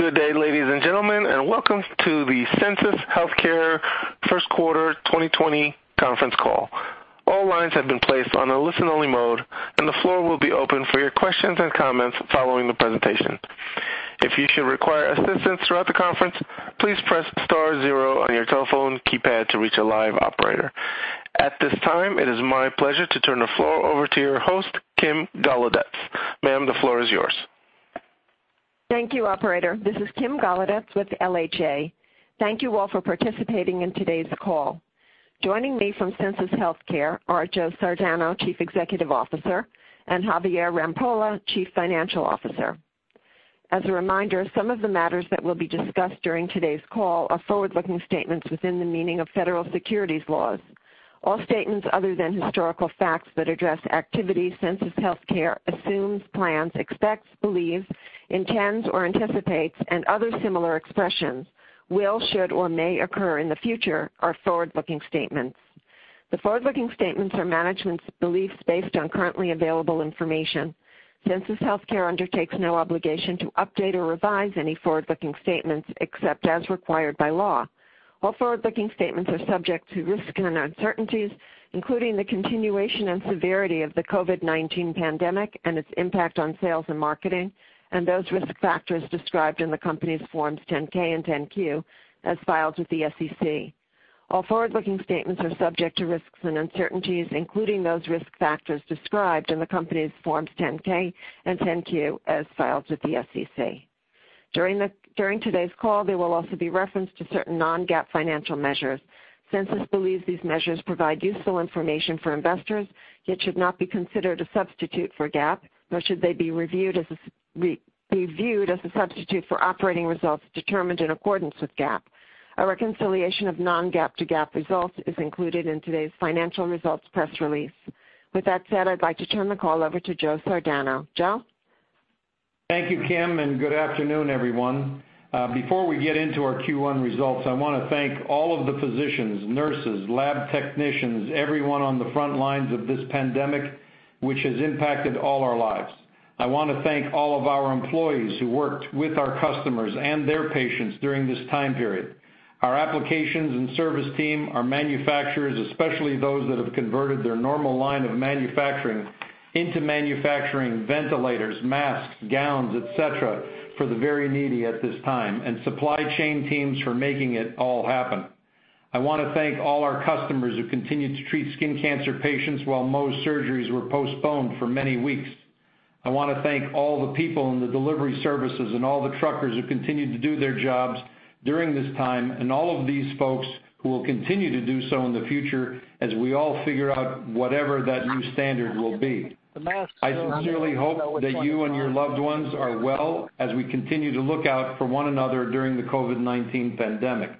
Good day, ladies and gentlemen, welcome to the Sensus Healthcare first quarter 2020 conference call. All lines have been placed on a listen-only mode, and the floor will be open for your questions and comments following the presentation. If you should require assistance throughout the conference, please press star zero on your telephone keypad to reach a live operator. At this time, it is my pleasure to turn the floor over to your host, Kim Golodetz. Ma'am, the floor is yours. Thank you, operator. This is Kim Golodetz with LHA. Thank you all for participating in today's call. Joining me from Sensus Healthcare are Joe Sardano, Chief Executive Officer, and Javier Rampolla, Chief Financial Officer. As a reminder, some of the matters that will be discussed during today's call are forward-looking statements within the meaning of federal securities laws. All statements other than historical facts that address activities Sensus Healthcare assumes, plans, expects, believes, intends or anticipates, and other similar expressions will, should, or may occur in the future are forward-looking statements. The forward-looking statements are management's beliefs based on currently available information. Sensus Healthcare undertakes no obligation to update or revise any forward-looking statements, except as required by law. All forward-looking statements are subject to risks and uncertainties, including the continuation and severity of the COVID-19 pandemic and its impact on sales and marketing, and those risk factors described in the company's Forms 10-K and 10-Q as filed with the SEC. All forward-looking statements are subject to risks and uncertainties, including those risk factors described in the company's Forms 10-K and 10-Q as filed with the SEC. During today's call, there will also be reference to certain non-GAAP financial measures. Sensus believes these measures provide useful information for investors, yet should not be considered a substitute for GAAP, nor should they be viewed as a substitute for operating results determined in accordance with GAAP. A reconciliation of non-GAAP to GAAP results is included in today's financial results press release. With that said, I'd like to turn the call over to Joe Sardano. Joe? Thank you, Kim, and good afternoon, everyone. Before we get into our Q1 results, I want to thank all of the physicians, nurses, lab technicians, and everyone on the front lines of this pandemic, which has impacted all our lives. I want to thank all of our employees who worked with our customers and their patients during this time period. Our applications and service team, our manufacturers, especially those that have converted their normal line of manufacturing into manufacturing ventilators, masks, gowns, et cetera, for the very needy at this time, and supply chain teams for making it all happen. I want to thank all our customers who continued to treat skin cancer patients while most surgeries were postponed for many weeks. I want to thank all the people in the delivery services and all the truckers who continued to do their jobs during this time, and all of these folks who will continue to do so in the future as we all figure out whatever that new standard will be. I sincerely hope that you and your loved ones are well as we continue to look out for one another during the COVID-19 pandemic.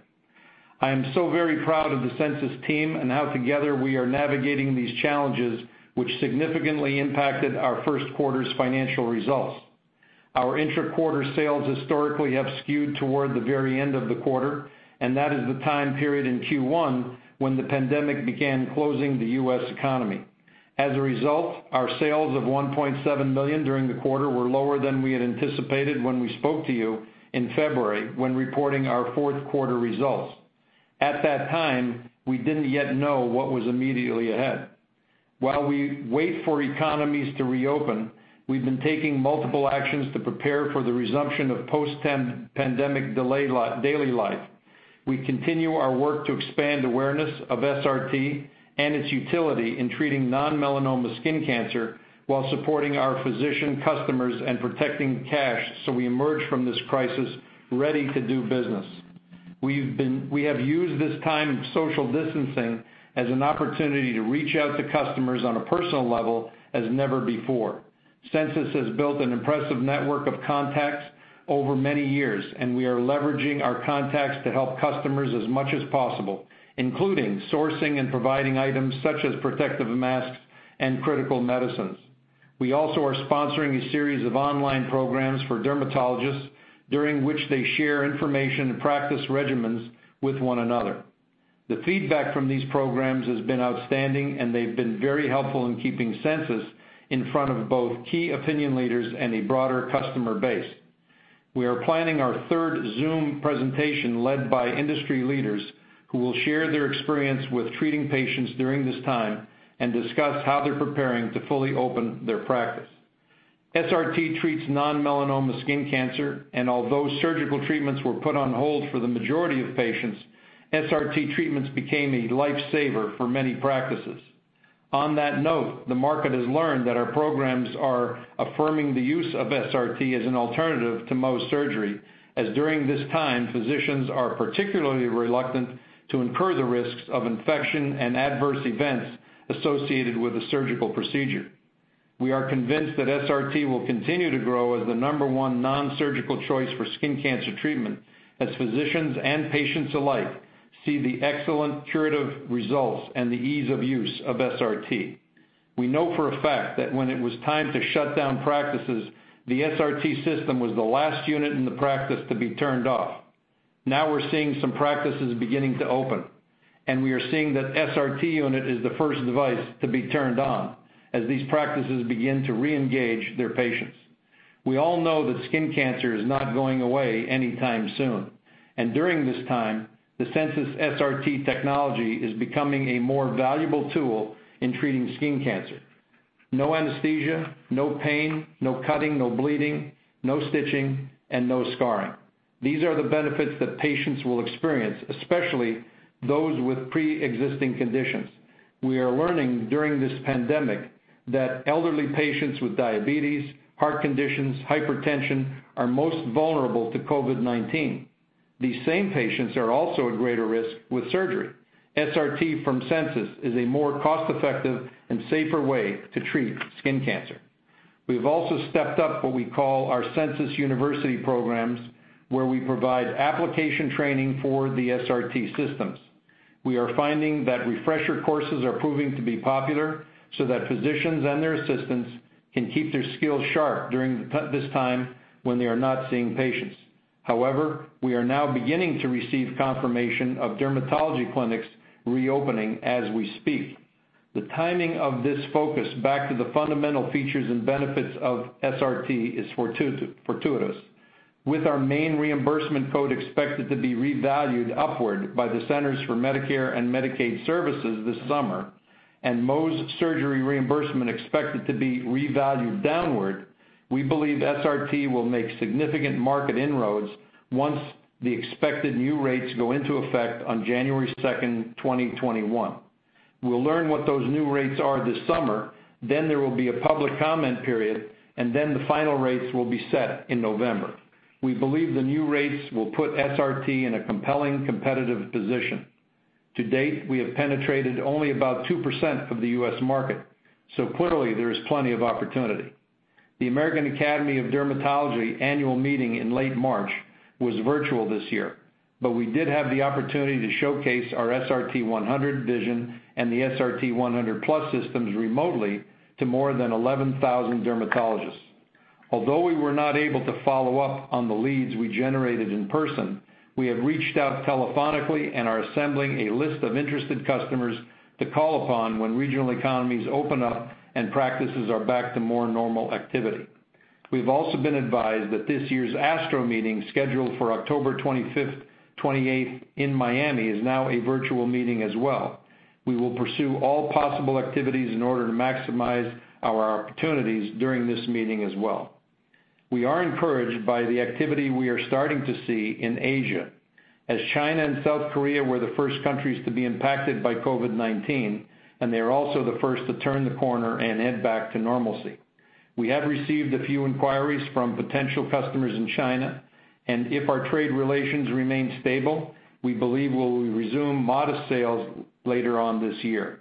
I am so very proud of the Sensus team and how together we are navigating these challenges, which significantly impacted our first quarter's financial results. Our intra-quarter sales historically have skewed toward the very end of the quarter and that is the time period in Q1 when the pandemic began closing the U.S. economy. As a result, our sales of $1.7 million during the quarter were lower than we had anticipated when we spoke to you in February when reporting our fourth quarter results. At that time, we didn't yet know what was immediately ahead. While we wait for economies to reopen, we've been taking multiple actions to prepare for the resumption of post-pandemic daily life. We continue our work to expand awareness of SRT and its utility in treating non-melanoma skin cancer while supporting our physician customers and protecting cash. We emerge from this crisis ready to do business. We have used this time of social distancing as an opportunity to reach out to customers on a personal level as never before. Sensus has built an impressive network of contacts over many years, and we are leveraging our contacts to help customers as much as possible, including sourcing and providing items such as protective masks and critical medicines. We also are sponsoring a series of online programs for dermatologists, during which they share information and practice regimens with one another. The feedback from these programs has been outstanding, and they've been very helpful in keeping Sensus in front of both key opinion leaders and a broader customer base. We are planning our third Zoom presentation led by industry leaders who will share their experience with treating patients during this time and discuss how they're preparing to fully open their practice. SRT treats non-melanoma skin cancer, and although surgical treatments were put on hold for the majority of patients, SRT treatments became a lifesaver for many patients. On that note, the market has learned that our programs are affirming the use of SRT as an alternative to Mohs surgery, as during this time, physicians are particularly reluctant to incur the risks of infection and adverse events associated with a surgical procedure. We are convinced that SRT will continue to grow as the number one non-surgical choice for skin cancer treatment, as physicians and patients alike see the excellent curative results and the ease of use of SRT. We know for a fact that when it was time to shut down practices, the SRT system was the last unit in the practice to be turned off. Now we're seeing some practices beginning to open, and we are seeing that SRT unit is the first device to be turned on as these practices begin to re-engage their patients. We all know that skin cancer is not going away anytime soon, and during this time, the Sensus SRT technology is becoming a more valuable tool in treating skin cancer. No anesthesia, no pain, no cutting, no bleeding, no stitching, and no scarring. These are the benefits that patients will experience, especially those with preexisting conditions. We are learning during this pandemic that elderly patients with diabetes, heart conditions, hypertension, are most vulnerable to COVID-19. These same patients are also at greater risk with surgery. SRT from Sensus is a more cost-effective and safer way to treat skin cancer. We've also stepped up what we call our Sensus University programs, where we provide application training for the SRT systems. We are finding that refresher courses are proving to be popular so that physicians and their assistants can keep their skills sharp during this time when they are not seeing patients. However, we are now beginning to receive confirmation of dermatology clinics reopening as we speak. The timing of this focus back to the fundamental features and benefits of SRT is fortuitous. With our main reimbursement code expected to be revalued upward by the Centers for Medicare and Medicaid Services this summer, and most surgery reimbursement expected to be revalued downward, we believe SRT will make significant market inroads once the expected new rates go into effect on January 2nd, 2021. We'll learn what those new rates are this summer. There will be a public comment period. The final rates will be set in November. We believe the new rates will put SRT in a compelling competitive position. To date, we have penetrated only about 2% of the U.S. market. Clearly, there is plenty of opportunity. The American Academy of Dermatology annual meeting in late March was virtual this year, but we did have the opportunity to showcase our SRT-100 Vision and the SRT-100+ systems remotely to more than 11,000 dermatologists. Although we were not able to follow up on the leads we generated in person, we have reached out telephonically and are assembling a list of interested customers to call upon when regional economies open up and practices are back to more normal activity. We've also been advised that this year's ASTRO meeting, scheduled for October 25th-28th in Miami, is now a virtual meeting as well. We will pursue all possible activities in order to maximize our opportunities during this meeting as well. We are encouraged by the activity we are starting to see in Asia, as China and South Korea were the first countries to be impacted by COVID-19, and they're also the first to turn the corner and head back to normalcy. We have received a few inquiries from potential customers in China. If our trade relations remain stable, we believe we'll resume modest sales later on this year.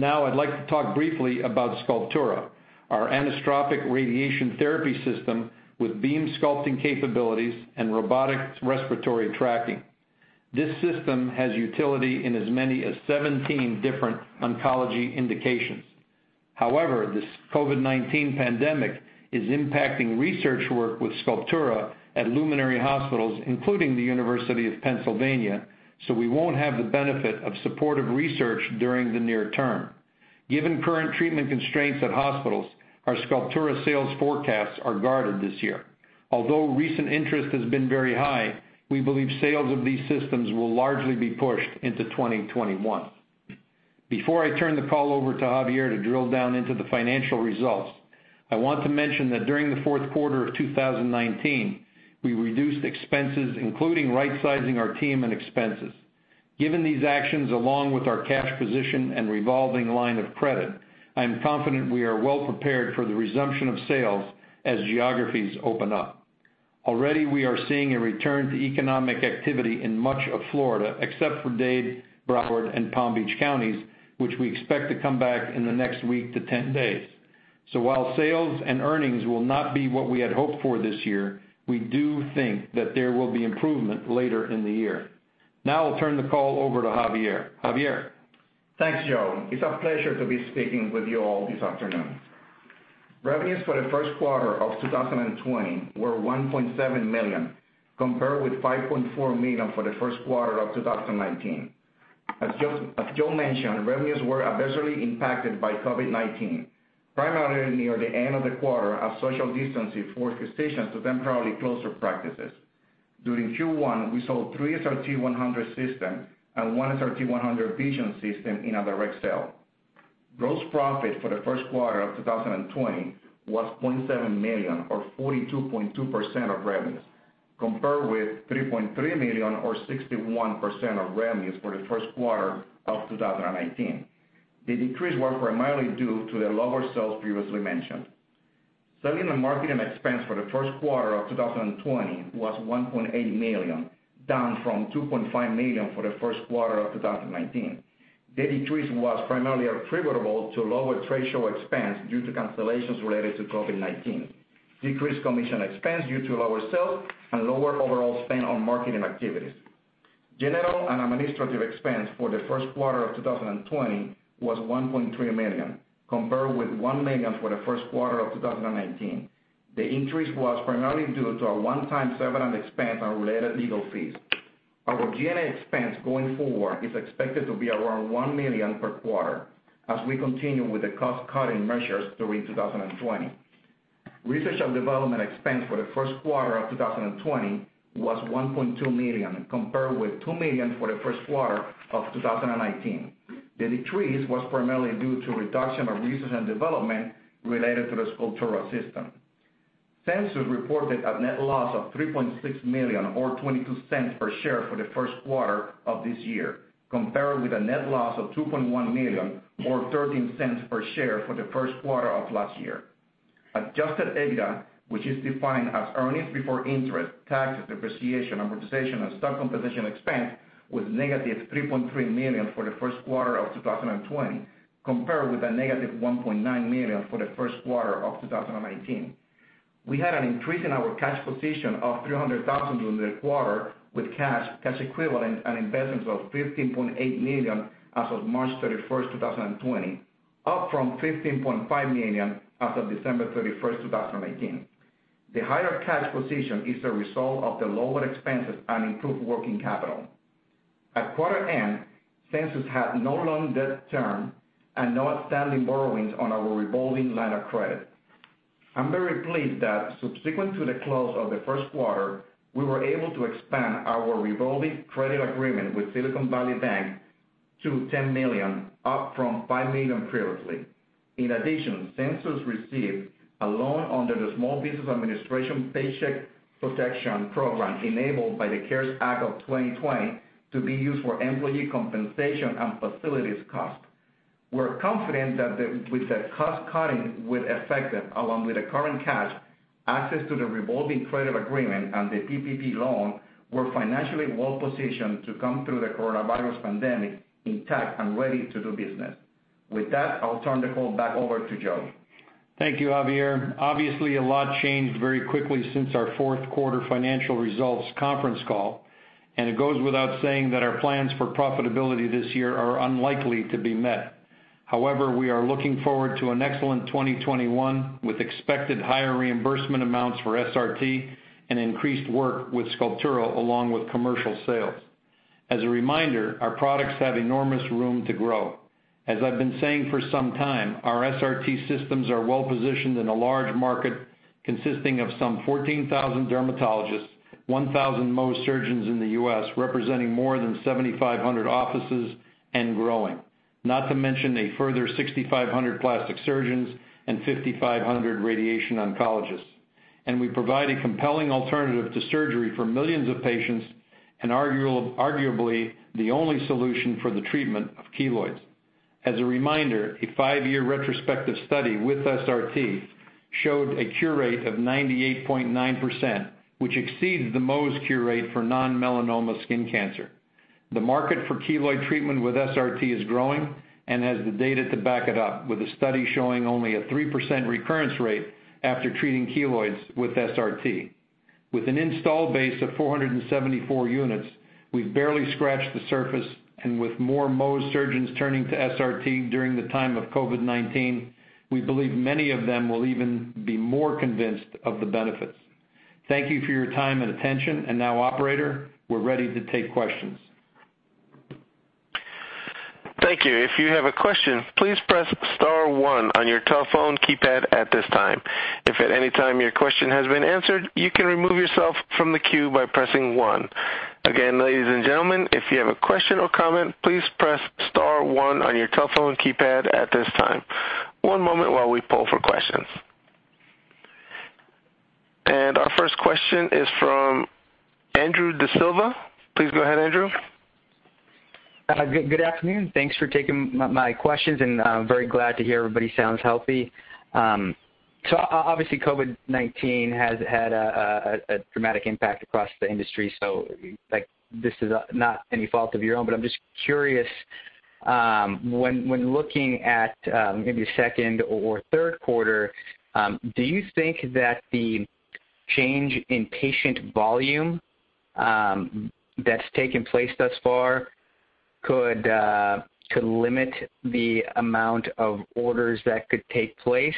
I'd like to talk briefly about Sculptura, our intraoperative radiation therapy system with Beam Sculpting capabilities and Robotic Respiratory Tracking. This system has utility in as many as 17 different oncology indications. This COVID-19 pandemic is impacting research work with Sculptura at luminary hospitals, including the University of Pennsylvania, so we won't have the benefit of supportive research during the near term. Given current treatment constraints at hospitals, our Sculptura sales forecasts are guarded this year. Although recent interest has been very high, we believe sales of these systems will largely be pushed into 2021. Before I turn the call over to Javier to drill down into the financial results, I want to mention that during the fourth quarter of 2019, we reduced expenses, including right-sizing our team and expenses. Given these actions along with our cash position and revolving line of credit, I am confident we are well prepared for the resumption of sales as geographies open up. Already, we are seeing a return to economic activity in much of Florida, except for Dade, Broward, and Palm Beach Counties, which we expect to come back in the next week to 10 days. While sales and earnings will not be what we had hoped for this year, we do think that there will be improvement later in the year. Now I'll turn the call over to Javier. Javier? Thanks, Joe. It's a pleasure to be speaking with you all this afternoon. Revenues for the first quarter of 2020 were $1.7 million, compared with $5.4 million for the first quarter of 2019. As Joe mentioned, revenues were adversely impacted by COVID-19, primarily near the end of the quarter as social distancing forced physicians to temporarily close their practices. During Q1, we sold three SRT-100 systems and one SRT-100 Vision system in a direct sale. Gross profit for the first quarter of 2020 was $0.7 million or 42.2% of revenues, compared with $3.3 million or 61% of revenues for the first quarter of 2019. The decrease was primarily due to the lower sales previously mentioned. Selling and marketing expenses for the first quarter of 2020 was $1.8 million, down from $2.5 million for the first quarter of 2019. The decrease was primarily attributable to lower trade show expenses due to cancellations related to COVID-19, decreased commission expenses due to lower sales, and lower overall spend on marketing activities. General and administrative expense for the first quarter of 2020 was $1.3 million, compared with $1 million for the first quarter of 2019. The increase was primarily due to a one-time settlement expense on related legal fees. Our G&A expense going forward is expected to be around $1 million per quarter as we continue with the cost-cutting measures through 2020. Research and development expense for the first quarter of 2020 was $1.2 million, compared with $2 million for the first quarter of 2019. The decrease was primarily due to reduction of research and development related to the Sculptura system. Sensus reported a net loss of $3.6 million or $0.22 per share for the first quarter of this year, compared with a net loss of $2.1 million or $0.13 per share for the first quarter of last year. Adjusted EBITDA, which is defined as earnings before interest, taxes, depreciation, amortization, and stock compensation expense, was -$3.3 million for the first quarter of 2020, compared with a -$1.9 million for the first quarter of 2019. We had an increase in our cash position of $300,000 during the quarter, with cash equivalents, and investments of $15.8 million as of March 31, 2020, up from $15.5 million as of December 31, 2019. The higher cash position is a result of the lower expenses and improved working capital. At quarter end, Sensus had no long-term debt and no outstanding borrowings on our revolving line of credit. I'm very pleased that subsequent to the close of the first quarter, we were able to expand our revolving credit agreement with Silicon Valley Bank to $10 million, up from $5 million previously. Sensus received a loan under the Small Business Administration Paycheck Protection Program enabled by the CARES Act of 2020 to be used for employee compensation and facilities costs. We're confident that with the cost-cutting we've effected, along with the current cash, access to the revolving credit agreement, and the PPP loan, we're financially well-positioned to come through the coronavirus pandemic intact and ready to do business. With that, I'll turn the call back over to Joe. Thank you, Javier. Obviously, a lot changed very quickly since our fourth quarter financial results conference call. It goes without saying that our plans for profitability this year are unlikely to be met. However, we are looking forward to an excellent 2021 with expected higher reimbursement amounts for SRT and increased work with Sculptura along with commercial sales. As a reminder, our products have enormous room to grow. As I've been saying for some time, our SRT systems are well-positioned in a large market consisting of some 14,000 dermatologists, 1,000 Mohs surgeons in the U.S., representing more than 7,500 offices and growing. Not to mention a further 6,500 plastic surgeons and 5,500 radiation oncologists. We provide a compelling alternative to surgery for millions of patients and arguably the only solution for the treatment of keloids. As a reminder, a five-year retrospective study with SRT showed a cure rate of 98.9%, which exceeds the Mohs cure rate for non-melanoma skin cancer. The market for keloid treatment with SRT is growing and has the data to back it up, with a study showing only a 3% recurrence rate after treating keloids with SRT. With an installed base of 474 units, we've barely scratched the surface. With more Mohs surgeons turning to SRT during the time of COVID-19, we believe many of them will even be more convinced of the benefits. Thank you for your time and attention. Now, operator, we're ready to take questions. Thank you. If you have a question, please press star one on your telephone keypad at this time. If at any time your question has been answered, you can remove yourself from the queue by pressing one. Again, ladies and gentlemen, if you have a question or comment, please press star one on your telephone keypad at this time. One moment while we poll for questions. Our first question is from Andrew D'Silva. Please go ahead, Andrew. Good afternoon. Thanks for taking my questions. I'm very glad to hear everybody sounds healthy. Obviously, COVID-19 has had a dramatic impact across the industry, so this is not any fault of your own, but I'm just curious, when looking at maybe the second or third quarter, do you think that the change in patient volume that's taken place thus far could limit the amount of orders that could take place?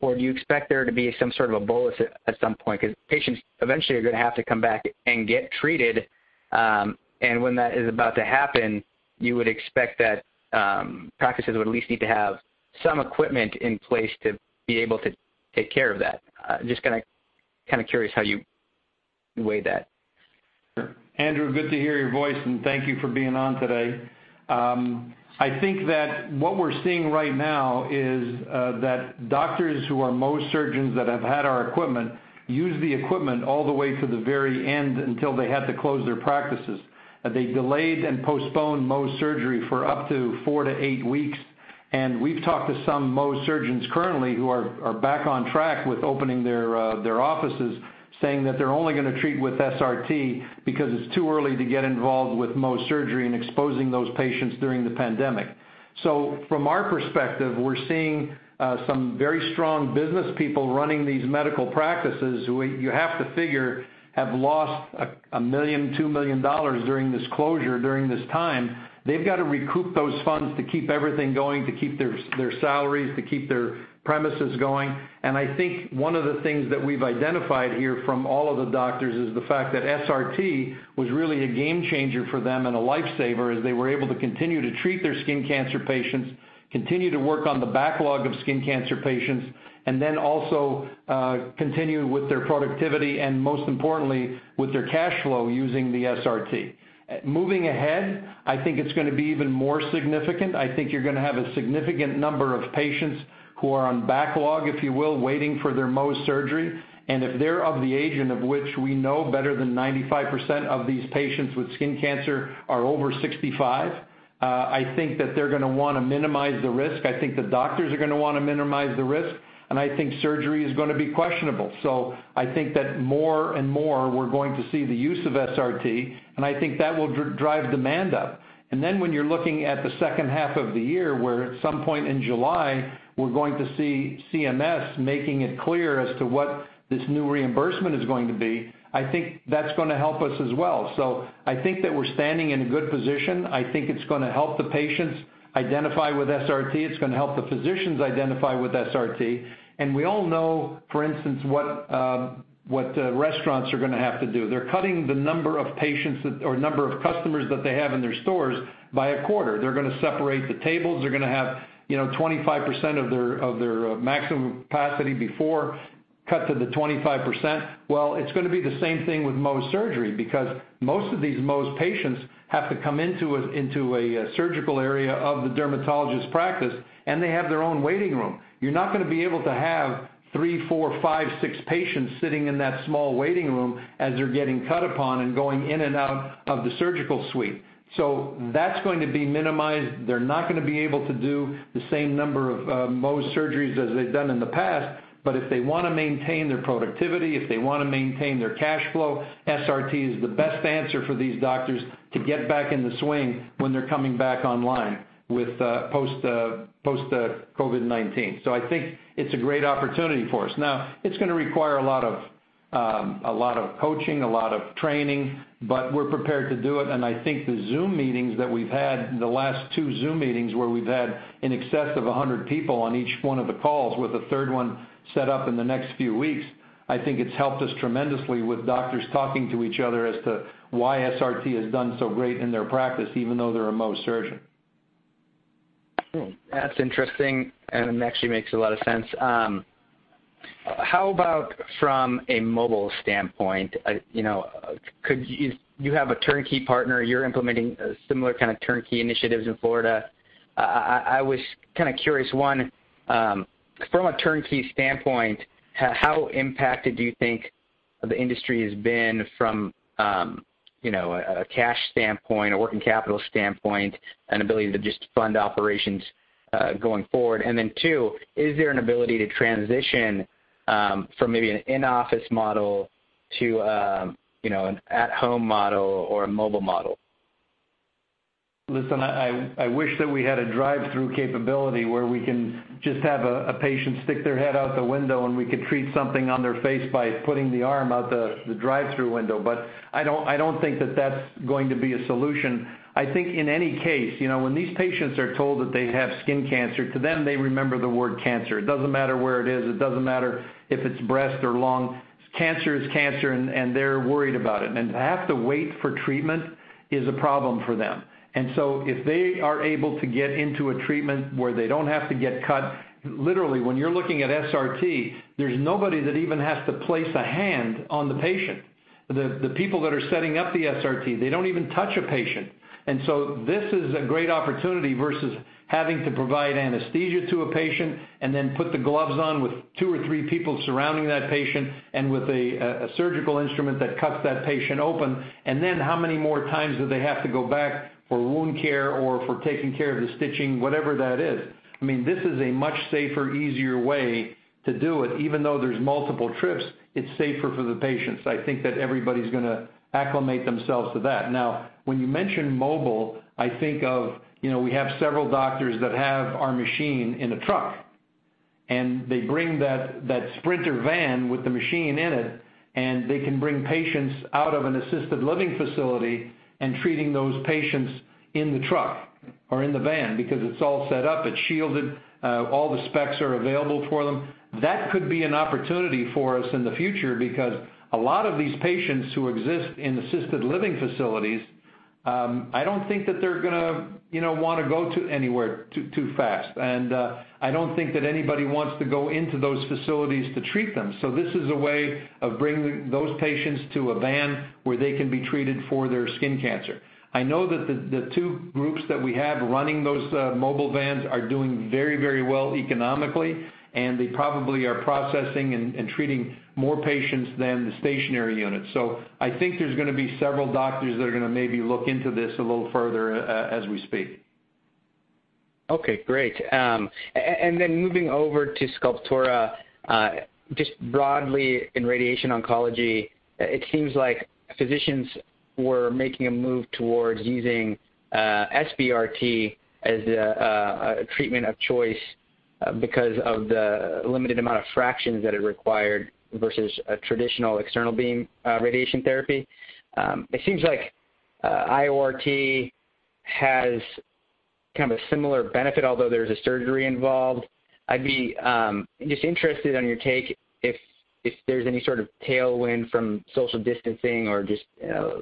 Do you expect there to be some sort of bulge at some point? Patients eventually are going to have to come back and get treated, and when that is about to happen, you would expect that practices would at least need to have some equipment in place to be able to take care of that. Just kind of curious how you weigh that. Andrew, good to hear your voice, and thank you for being on today. I think that what we're seeing right now is that doctors who are Mohs surgeons that have had our equipment use the equipment all the way to the very end until they had to close their practices. They delayed and postponed Mohs surgery for up to four to eight weeks. We've talked to some Mohs surgeons currently who are back on track with opening their offices saying that they're only going to treat with SRT because it's too early to get involved with Mohs surgery and exposing those patients during the pandemic. From our perspective, we're seeing some very strong business people running these medical practices who, you have to figure, have lost $1 million-$2 million during this closure during this time. They've got to recoup those funds to keep everything going, to keep their salaries, to keep their premises going. I think one of the things that we've identified here from all of the doctors is the fact that SRT was really a game changer for them and a lifesaver as they were able to continue to treat their skin cancer patients, continue to work on the backlog of skin cancer patients, and then also continue with their productivity and most importantly, with their cash flow using the SRT. Moving ahead, I think it's going to be even more significant. I think you're going to have a significant number of patients who are on backlog, if you will, waiting for their Mohs surgery. If they're of the age in of which we know better than 95% of these patients with skin cancer are over 65, I think that they're going to want to minimize the risk. I think the doctors are going to want to minimize the risk, and I think surgery is going to be questionable. I think that more and more we're going to see the use of SRT, and I think that will drive demand up. When you're looking at the second half of the year, where at some point in July, we're going to see CMS making it clear as to what this new reimbursement is going to be. I think that's going to help us as well. I think that we're standing in a good position. I think it's going to help the patients identify with SRT. It's going to help the physicians identify with SRT. We all know, for instance, what the restaurants are going to have to do. They're cutting the number of customers that they have in their stores by a quarter. They're going to separate the tables. They're going to have 25% of their maximum capacity before cut to the 25%. Well, it's going to be the same thing with Mohs surgery because most of these Mohs patients have to come into a surgical area of the dermatologist's practice, and they have their own waiting room. You're not going to be able to have three, four, five, six patients sitting in that small waiting room as they're getting cut upon and going in and out of the surgical suite. That's going to be minimized. They're not going to be able to do the same number of Mohs surgeries as they've done in the past. If they want to maintain their productivity, if they want to maintain their cash flow, SRT is the best answer for these doctors to get back in the swing when they're coming back online with post-COVID-19. I think it's a great opportunity for us. It's going to require a lot of coaching, a lot of training, but we're prepared to do it. I think the Zoom meetings that we've had, the last two Zoom meetings where we've had in excess of 100 people on each one of the calls with a third one set up in the next few weeks, I think it's helped us tremendously with doctors talking to each other as to why SRT has done so great in their practice, even though they're a Mohs surgeon. That's interesting, and it actually makes a lot of sense. How about from a mobile standpoint? You have a turnkey partner. You're implementing a similar kind of turnkey initiatives in Florida. I was kind of curious, one, from a turnkey standpoint, how impacted do you think the industry has been from a cash standpoint, a working capital standpoint, an ability to just fund operations going forward? Then two, is there an ability to transition from maybe an in-office model to an at-home model or a mobile model? Listen, I wish that we had a drive-through capability where we can just have a patient stick their head out the window, and we could treat something on their face by putting the arm out the drive-through window. I don't think that's going to be a solution. I think in any case, when these patients are told that they have skin cancer, to them, they remember the word cancer. It doesn't matter where it is. It doesn't matter if it's breast or lung. Cancer is cancer, and they're worried about it. To have to wait for treatment is a problem for them. If they are able to get into a treatment where they don't have to get cut, literally, when you're looking at SRT, there's nobody that even has to place a hand on the patient. The people that are setting up the SRT, they don't even touch a patient. This is a great opportunity versus having to provide anesthesia to a patient and then put the gloves on with two or three people surrounding that patient and with a surgical instrument that cuts that patient open. How many more times do they have to go back for wound care or for taking care of the stitching, whatever that is? This is a much safer, easier way to do it. Even though there's multiple trips, it's safer for the patients. I think that everybody's going to acclimate themselves to that. When you mention mobile, I think of, we have several doctors that have our machine in a truck, and they bring that Sprinter van with the machine in it, and they can bring patients out of an assisted living facility and treating those patients in the truck or in the van because it's all set up. It's shielded. All the specs are available for them. That could be an opportunity for us in the future because a lot of these patients who exist in assisted living facilities, I don't think that they're going to want to go to anywhere too fast. I don't think that anybody wants to go into those facilities to treat them. This is a way of bringing those patients to a van where they can be treated for their skin cancer. I know that the two groups that we have running those mobile vans are doing very, very well economically, and they probably are processing and treating more patients than the stationary units. I think there's going to be several doctors that are going to maybe look into this a little further as we speak. Okay, great. Moving over to Sculptura, just broadly in radiation oncology, it seems like physicians were making a move towards using SBRT as a treatment of choice because of the limited amount of fractions that it required versus traditional external beam radiation therapy. It seems like IORT has kind of a similar benefit, although there's a surgery involved. I'd be just interested on your take if there's any sort of tailwind from social distancing or just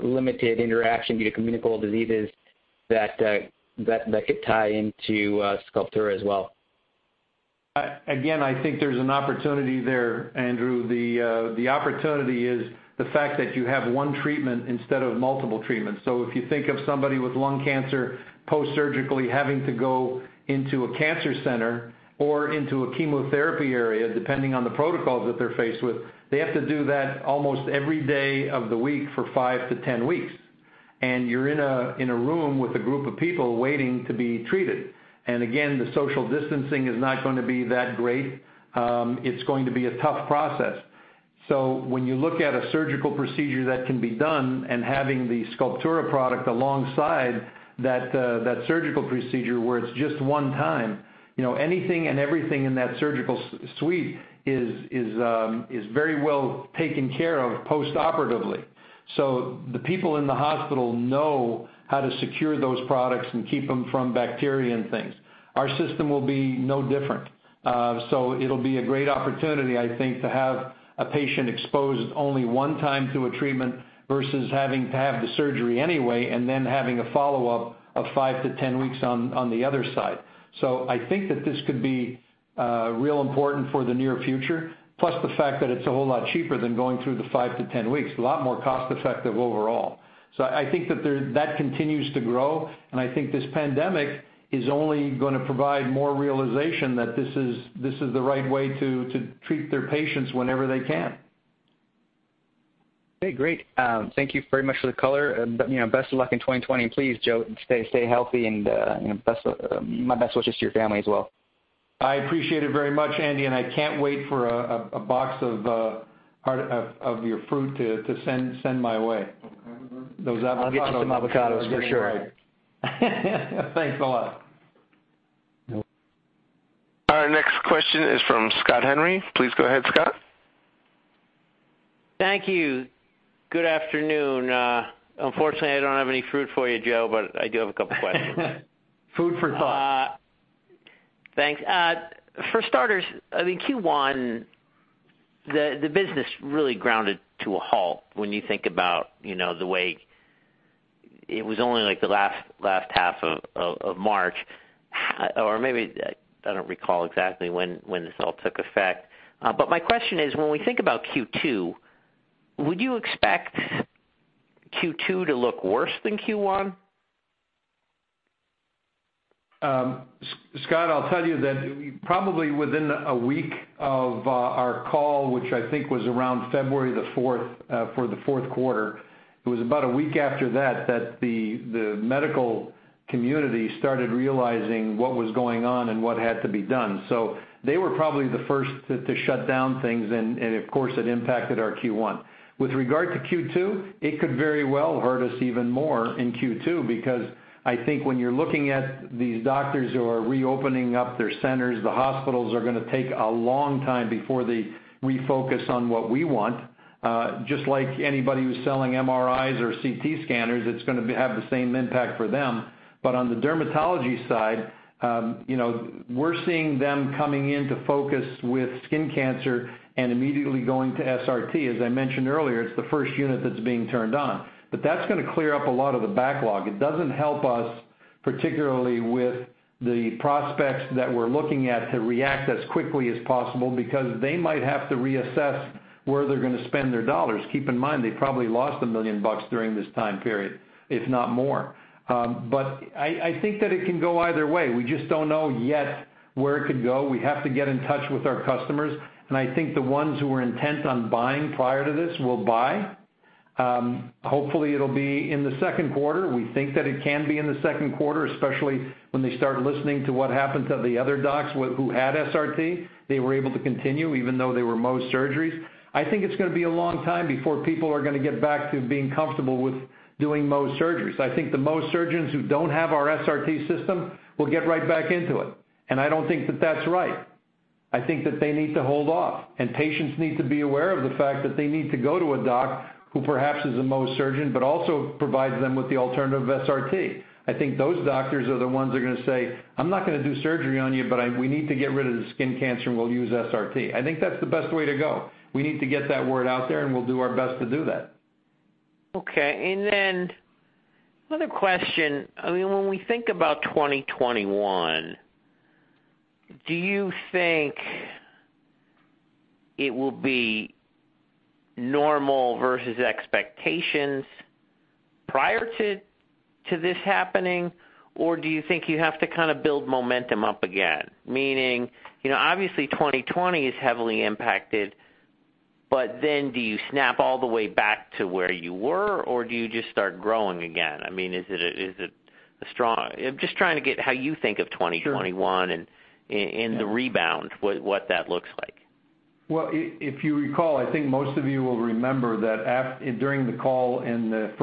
limited interaction due to communicable diseases that could tie into Sculptura as well. Again, I think there's an opportunity there, Andrew. The opportunity is the fact that you have one treatment instead of multiple treatments. If you think of somebody with lung cancer post-surgically having to go into a cancer center or into a chemotherapy area, depending on the protocols that they're faced with, they have to do that almost every day of the week for five to 10 weeks. You're in a room with a group of people waiting to be treated. Again, the social distancing is not going to be that great. It's going to be a tough process. When you look at a surgical procedure that can be done and having the Sculptura product alongside that surgical procedure where it's just one time, anything and everything in that surgical suite is very well taken care of post-operatively. The people in the hospital know how to secure those products and keep them from bacteria and things. Our system will be no different. It'll be a great opportunity, I think, to have a patient exposed only one time to a treatment versus having to have the surgery anyway, and then having a follow-up of 5-10 weeks on the other side. I think that this could be real important for the near future. Plus the fact that it's a whole lot cheaper than going through the 5-10 weeks, a lot more cost-effective overall. I think that continues to grow, and I think this pandemic is only going to provide more realization that this is the right way to treat their patients whenever they can. Okay, great. Thank you very much for the color. Best of luck in 2020. Please, Joe, stay healthy, and my best wishes to your family as well. I appreciate it very much, Andy. I can't wait for a box of your fruit to send my way. Those avocados. I'll get you some avocados for sure. Are going to be great. Thanks a lot. Our next question is from Scott Henry. Please go ahead, Scott. Thank you. Good afternoon. Unfortunately, I don't have any fruit for you, Joe, but I do have a couple of questions. Food for thought. Thanks. For starters, in Q1, the business really grounded to a halt when you think about the way it was only like the last half of March, or maybe, I don't recall exactly when this all took effect. My question is, when we think about Q2, would you expect Q2 to look worse than Q1? Scott, I'll tell you that probably within a week of our call, which I think was around February 4th for the fourth quarter, it was about a week after that the medical community started realizing what was going on and what had to be done. They were probably the first to shut down things, and of course, it impacted our Q1. With regard to Q2, it could very well hurt us even more in Q2 because I think when you're looking at these doctors who are reopening up their centers, the hospitals are going to take a long time before they refocus on what we want. Just like anybody who's selling MRIs or CT scanners, it's going to have the same impact for them. On the dermatology side, we're seeing them coming in to focus with skin cancer and immediately going to SRT. As I mentioned earlier, it's the first unit that's being turned on. That's going to clear up a lot of the backlog. It doesn't help us, particularly with the prospects that we're looking at to react as quickly as possible, because they might have to reassess where they're going to spend their dollars. Keep in mind, they probably lost $1 million during this time period, if not more. I think that it can go either way. We just don't know yet where it could go. We have to get in touch with our customers. I think the ones who were intent on buying prior to this will buy. Hopefully, it'll be in the second quarter. We think that it can be in the second quarter, especially when they start listening to what happened to the other docs who had SRT. They were able to continue, even though they were Mohs surgeries. I think it's going to be a long time before people are going to get back to being comfortable with doing Mohs surgeries. I think the Mohs surgeons who don't have our SRT system will get right back into it. I don't think that's right. I think that they need to hold off, and patients need to be aware of the fact that they need to go to a doc who perhaps is a Mohs surgeon but also provides them with the alternative of SRT. I think those doctors are the ones that are going to say, "I'm not going to do surgery on you, but we need to get rid of the skin cancer, and we'll use SRT." I think that's the best way to go. We need to get that word out there, and we'll do our best to do that. Okay. Another question. When we think about 2021, do you think it will be normal versus expectations prior to this happening? Do you think you have to kind of build momentum up again? Meaning, obviously, 2020 is heavily impacted. Do you snap all the way back to where you were, or do you just start growing again? I'm just trying to get how you think of 2021? Sure The rebound, what that looks like. Well, if you recall, I think most of you will remember that during the call in the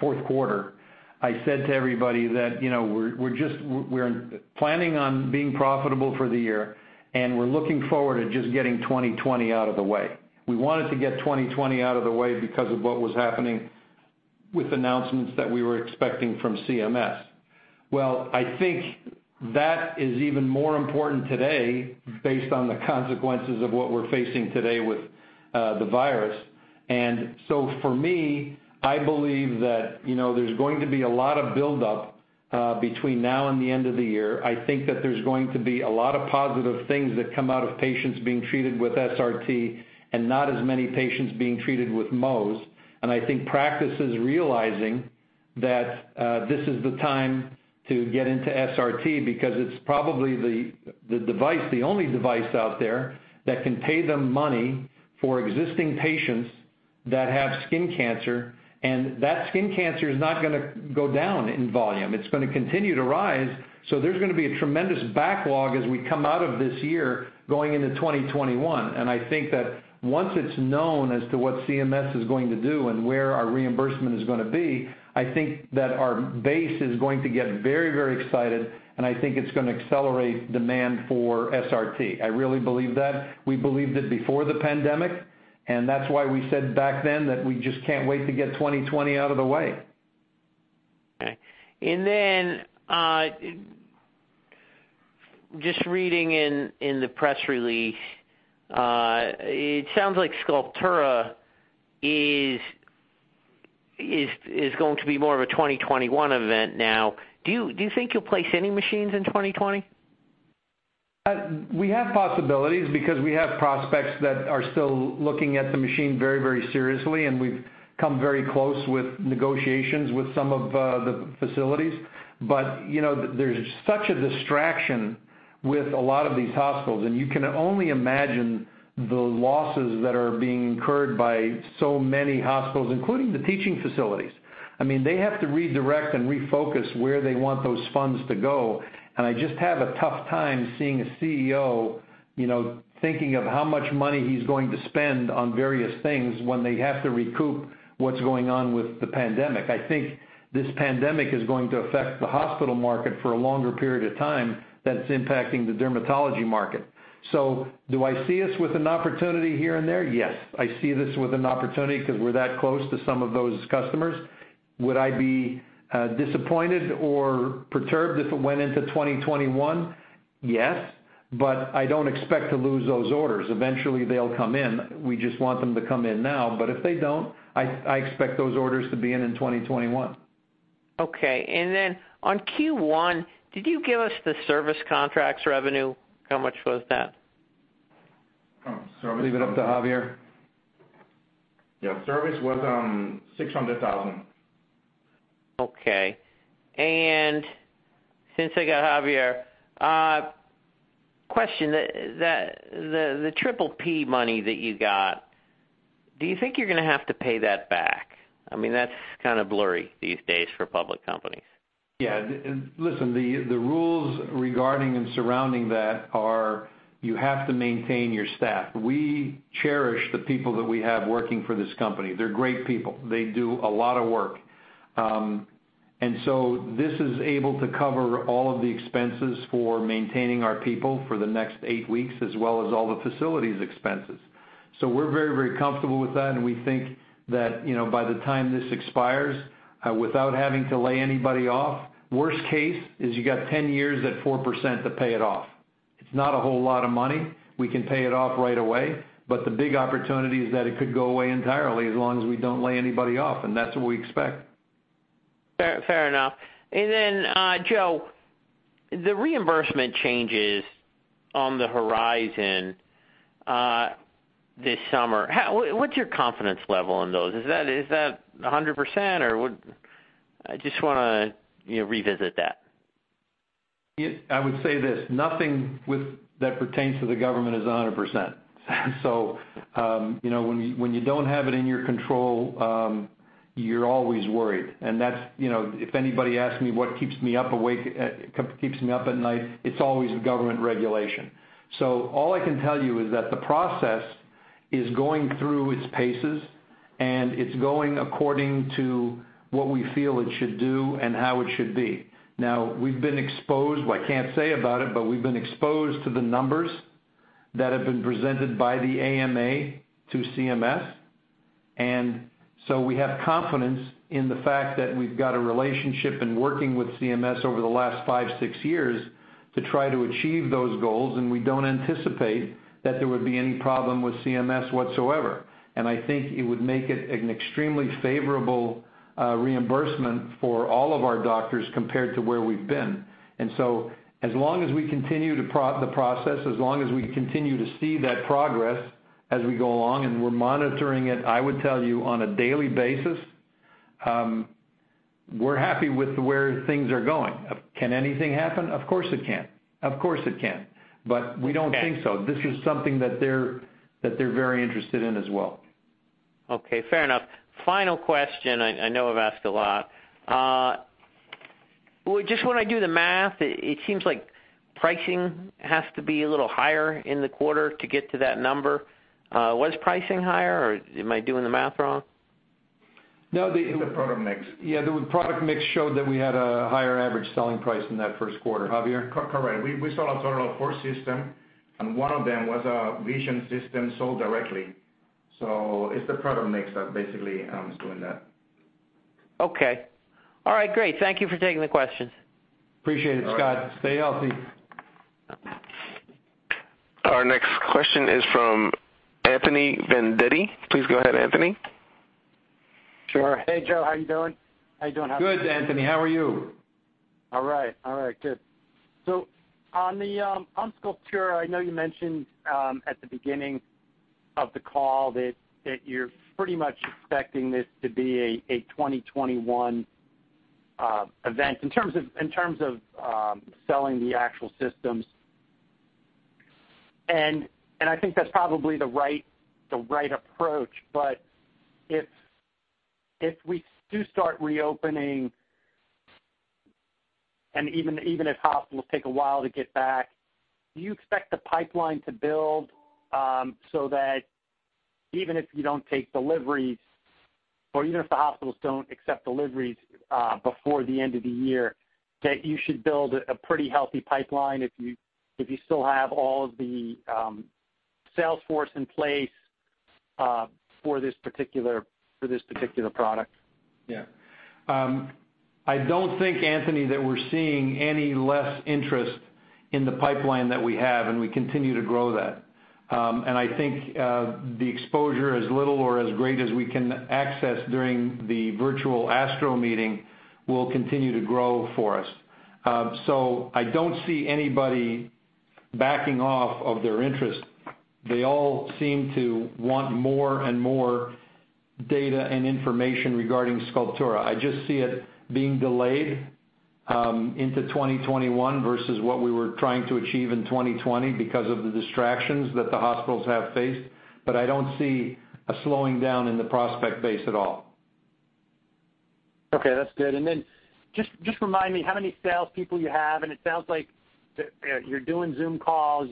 fourth quarter, I said to everybody that we're planning on being profitable for the year, and we're looking forward to just getting 2020 out of the way. We wanted to get 2020 out of the way because of what was happening with announcements that we were expecting from CMS. Well, I think that is even more important today, based on the consequences of what we're facing today with the virus. For me, I believe that there's going to be a lot of buildup between now and the end of the year. I think that there's going to be a lot of positive things that come out of patients being treated with SRT and not as many patients being treated with Mohs. I think practices realizing that this is the time to get into SRT because it's probably the only device out there that can pay them money for existing patients that have skin cancer. That skin cancer is not going to go down in volume. It's going to continue to rise. There's going to be a tremendous backlog as we come out of this year going into 2021. I think that once it's known as to what CMS is going to do and where our reimbursement is going to be, I think that our base is going to get very excited, and I think it's going to accelerate demand for SRT. I really believe that. We believed it before the pandemic, and that's why we said back then that we just can't wait to get 2020 out of the way. Okay. Just reading in the press release, it sounds like Sculptura is going to be more of a 2021 event now. Do you think you'll place any machines in 2020? We have possibilities because we have prospects that are still looking at the machine very seriously, and we've come very close with negotiations with some of the facilities. There's such a distraction with a lot of these hospitals, and you can only imagine the losses that are being incurred by so many hospitals, including the teaching facilities. They have to redirect and refocus where they want those funds to go, and I just have a tough time seeing a CEO thinking of how much money he's going to spend on various things when they have to recoup what's going on with the pandemic. I think this pandemic is going to affect the hospital market for a longer period of time that it's impacting the dermatology market. Do I see us with an opportunity here and there? Yes. I see this with an opportunity because we're that close to some of those customers. Would I be disappointed or perturbed if it went into 2021? Yes, I don't expect to lose those orders. Eventually, they'll come in. We just want them to come in now. If they don't, I expect those orders to be in in 2021. Okay. Then, in Q1, did you give us the service contracts revenue? How much was that? Oh, service. Leave it up to Javier. Yeah, service was $600,000. Okay. Since I got Javier, question, the PPP money that you got, do you think you're going to have to pay that back? That's kind of blurry these days for public companies. Yeah. Listen, the rules regarding and surrounding that are you have to maintain your staff. We cherish the people that we have working for this company. They're great people. They do a lot of work. This is able to cover all of the expenses for maintaining our people for the next eight weeks, as well as all the facilities expenses. We're very comfortable with that, and we think that, by the time this expires, without having to lay anybody off, the worst case is you got 10 years at 4% to pay it off. It's not a whole lot of money. We can pay it off right away. The big opportunity is that it could go away entirely as long as we don't lay anybody off, and that's what we expect. Fair enough. Joe, the reimbursement changes on the horizon this summer. What's your confidence level in those? Is that 100% or would I just want to revisit that? I would say this, nothing that pertains to the government is 100%. When you don't have it in your control, you're always worried. If anybody asks me what keeps me up at night, it's always government regulation. All I can tell you is that the process is going through its paces, and it's going according to what we feel it should do and how it should be. We've been exposed to the numbers that have been presented by the AMA to CMS. We have confidence in the fact that we've got a relationship in working with CMS over the last five, six years to try to achieve those goals, and we don't anticipate that there would be any problem with CMS whatsoever. I think it would make it an extremely favorable reimbursement for all of our doctors compared to where we've been. As long as we continue the process, as long as we continue to see that progress as we go along, and we're monitoring it, I would tell you, on a daily basis. We're happy with where things are going. Can anything happen? Of course, it can. We don't think so. Okay. This is something that they're very interested in as well. Okay, fair enough. Final question. I know I've asked a lot. Just when I do the math, it seems like pricing has to be a little higher in the quarter to get to that number. Was pricing higher, or am I doing the math wrong? No. It's the product mix. Yeah, the product mix showed that we had a higher average selling price in that first quarter. Javier? Correct. We sold a total of four systems, and one of them was a Vision system sold directly. It's the product mix that basically is doing that. Okay. All right, great. Thank you for taking the questions. Appreciate it, Scott. All right. Stay healthy. Our next question is from Anthony Vendetti. Please go ahead, Anthony. Sure. Hey, Joe, how you doing? How you doing, Javier? Good, Anthony. How are you? All right. Good. On the Sculptura, I know you mentioned, at the beginning of the call that you're pretty much expecting this to be a 2021 event in terms of selling the actual systems, and I think that's probably the right approach. If we do start reopening, and even if hospitals take a while to get back, do you expect the pipeline to build, so that even if you don't take deliveries or even if the hospitals don't accept deliveries, before the end of the year, that you should build a pretty healthy pipeline if you still have all of the sales force in place for this particular product? Yeah. I don't think, Anthony, that we're seeing any less interest in the pipeline that we have. We continue to grow that. I think, the exposure, as little or as great as we can access during the virtual ASTRO meeting, will continue to grow for us. I don't see anybody backing off of their interest. They all seem to want more and more data and information regarding Sculptura. I just see it being delayed into 2021 versus what we were trying to achieve in 2020 because of the distractions that the hospitals have faced. I don't see a slowing down in the prospect base at all. Okay, that's good. Just remind me how many salespeople you have, and it sounds like you're doing Zoom calls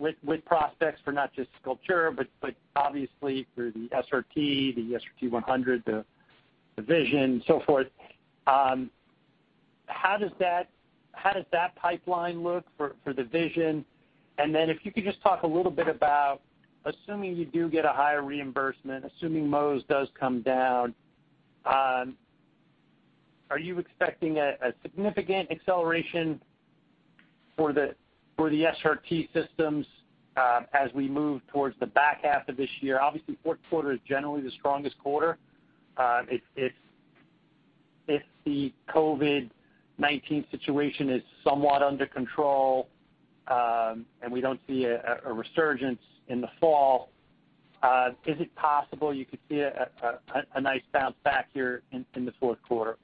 with prospects for not just Sculptura, but obviously for the SRT, the SRT-100, the Vision, so forth. How does that pipeline look for the Vision? If you could just talk a little bit about, assuming you do get a higher reimbursement, assuming Mohs does come down, are you expecting a significant acceleration for the SRT systems as we move towards the back half of this year? Obviously, fourth quarter is generally the strongest quarter. If the COVID-19 situation is somewhat under control, and we don't see a resurgence in the fall, is it possible you could see a nice bounce back here in the fourth quarter?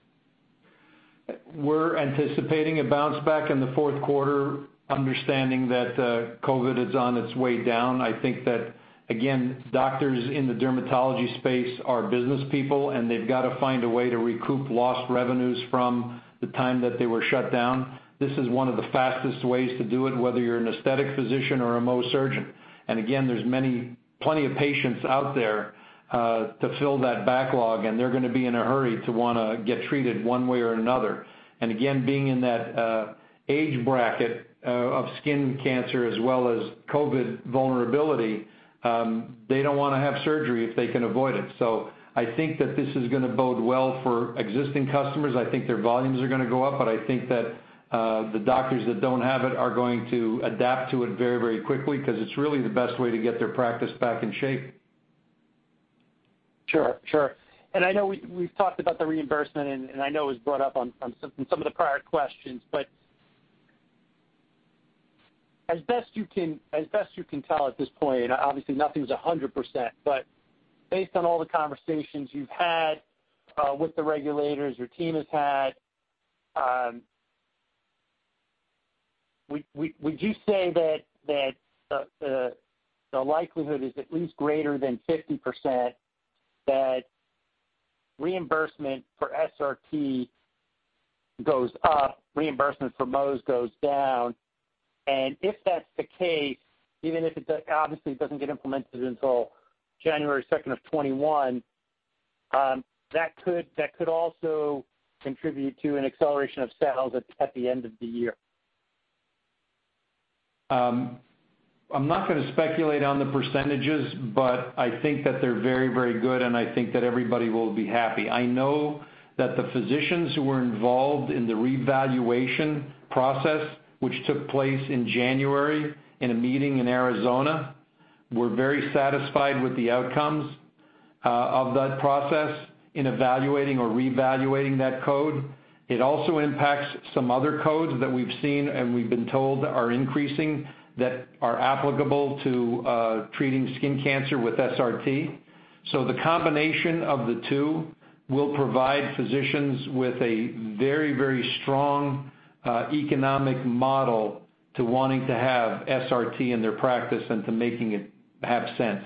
We're anticipating a bounce back in the fourth quarter, understanding that COVID is on its way down. I think that, again, doctors in the dermatology space are business people, and they've got to find a way to recoup lost revenues from the time that they were shut down. This is one of the fastest ways to do it, whether you're an aesthetic physician or a Mohs surgeon. Again, there's plenty of patients out there to fill that backlog, and they're going to be in a hurry to want to get treated one way or another. Again, being in that age bracket of skin cancer as well as COVID vulnerability, they don't want to have surgery if they can avoid it. I think that this is going to bode well for existing customers. I think their volumes are going to go up, but I think that the doctors that don't have it are going to adapt to it very quickly because it's really the best way to get their practice back in shape. Sure. I know we've talked about the reimbursement, and I know it was brought up in some of the prior questions, but as best you can tell at this point, obviously nothing's 100%, but based on all the conversations you've had with the regulators, your team has had, would you say that the likelihood is at least greater than 50% that reimbursement for SRT goes up, reimbursement for Mohs goes down? If that's the case, even if it obviously doesn't get implemented until January 2nd, 2021, that could also contribute to an acceleration of sales at the end of the year? I'm not going to speculate on the percentages, but I think that they're very good, and I think that everybody will be happy. I know that the physicians who were involved in the revaluation process, which took place in January in a meeting in Arizona, were very satisfied with the outcomes of that process in evaluating or reevaluating that code. It also impacts some other codes that we've seen, and that we've been told are increasing, that are applicable to treating skin cancer with SRT. The combination of the two will provide physicians with a very strong economic model to wanting to have SRT in their practice and to making it have sense